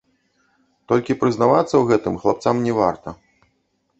Толькі прызнавацца ў гэтым хлапцам не варта.